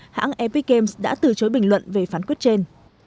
hãng apex games đã từ chối bình luận về phán quyết trên